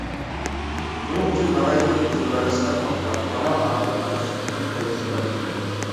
بۇنىڭ ئۈچۈن ناھايىتى كۆپ ئۇسۇللارنى سىناپ باققان ئانا ئاخىرى ئانا سۈتىنىڭ پايدىسى بارلىقىنى بىلگەن.